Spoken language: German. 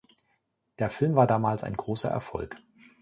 Der Film war damals ein großer Erfolg.